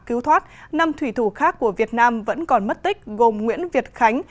cứu thoát năm thủy thủ khác của việt nam vẫn còn mất tích gồm nguyễn việt khánh